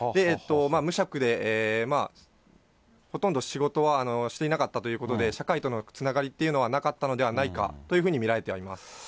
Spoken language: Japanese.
無職でほとんど仕事はしていなかったということで、社会とのつながりっていうのはなかったのではないかというふうに見られています。